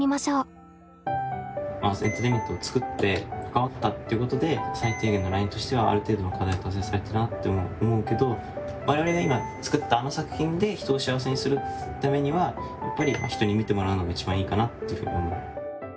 エンターテインメントを作って関わったっていうことで最低限のラインとしてはある程度の課題は達成されたなって思うけど我々が今作ったあの作品で人を幸せにするためにはやっぱり人に見てもらうのが一番いいかなっていうふうに思う。